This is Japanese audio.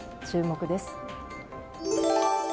注目です。